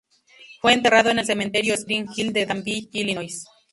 Fue enterrado en el Cementerio Spring Hill de Danville, Illinois.